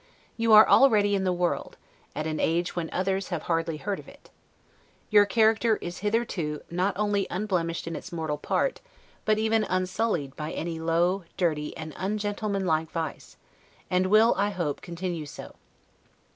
You are already in the world, at an age when others have hardly heard of it. Your character is hitherto not only unblemished in its mortal part, but even unsullied by any low, dirty, and ungentleman like vice; and will, I hope, continue so.